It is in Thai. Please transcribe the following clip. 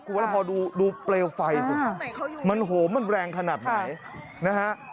คุณผู้ชมพอดูเปลวไฟมันแรงขนาดไหน